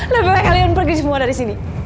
lebih baik kalian pergi semua dari sini